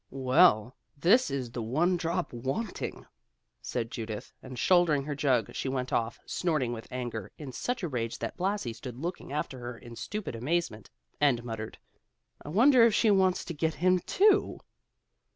"Well, this was the one drop wanting!" said Judith, and shouldering her jug she went off, snorting with anger, in such a rage that Blasi stood looking after her in stupid amazement, and muttered, "I wonder if she wants to get him, too!"